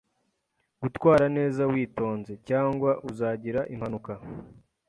Gutwara neza witonze, cyangwa uzagira impanuka.